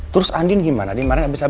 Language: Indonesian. selamat malam bu rosa